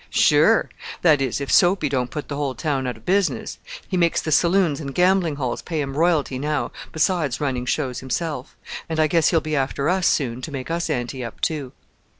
"Sure! that is if Soapy don't put the whole town out of business. He makes the saloons and gambling halls pay him royalty now, besides running shows himself; and I guess he'll be after us soon to make us anti up too."